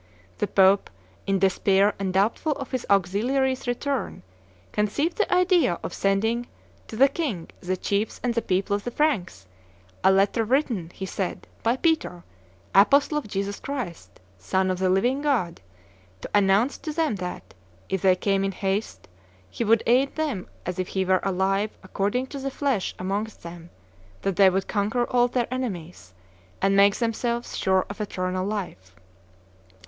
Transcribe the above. The Pope, in despair and doubtful of his auxiliaries' return, conceived the idea of sending "to the king, the chiefs, and the people of the Franks, a letter written, he said, by Peter, Apostle of Jesus Christ, Son of the living God, to announce to them that, if they came in haste, he would aid them as if he were alive according to the flesh amongst them, that they would conquer all their enemies and make themselves sure of eternal life!"